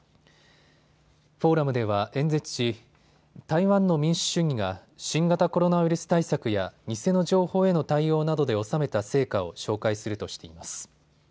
フォーラムでは演説し、台湾の民主主義が新型コロナウイルス対策や偽の情報への対応などで収めた成果を紹介するとしています。